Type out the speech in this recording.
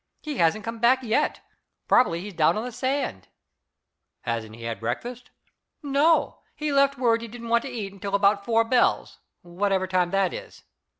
He hasn't come back yet. Probably he's down on the sand." "Hasn't he had breakfast?" "No. He left word he didn't want to eat until about four bells, whatever time that is."